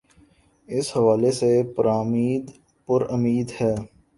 اس حوالے سے پرا مید ہے۔